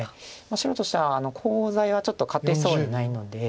白としてはコウ材はちょっと勝てそうにないので。